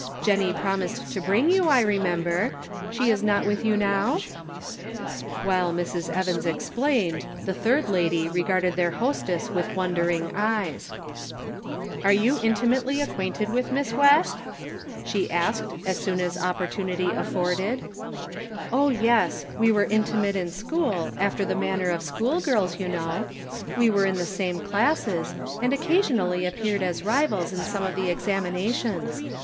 Jennie promised to bring you, I remember ; she is not with you now ?" While Mrs. Evans explained, the third lady regarded their hostess, with wondering eyes. Cake Mathematically Considered. 69 " Are you intimately acquainted with Miss West ?" she asked as soon as opportunity af forded. " Oh, yes, we were intimate in school, after the manner of school girls, you know. We were in the same classes, and occasionally ap peared as rivals in some of the examinations.